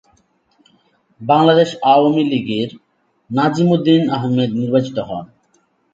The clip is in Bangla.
বাংলাদেশ আওয়ামী লীগের নাজিম উদ্দিন আহমেদ নির্বাচিত হন।